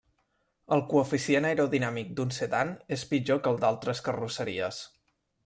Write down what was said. El coeficient aerodinàmic d'un sedan és pitjor que el d'altres carrosseries.